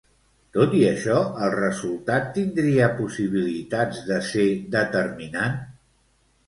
Tot i això, el resultat tindria possibilitats de ser determinant?